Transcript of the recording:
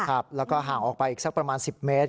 ครับแล้วก็ห่างออกไปอีกสักประมาณ๑๐เมตร